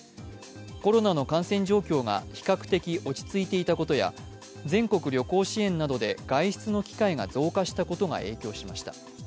コロナの感染状況が比較的落ち着いていたことや、全国旅行支援などで外出の機会が増加したことが影響しました。